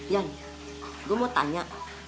yan gue mau tanya